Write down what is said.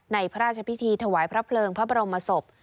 พระราชพิธีถวายพระเพลิงพระบรมศพ